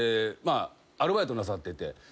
アルバイトなさってて。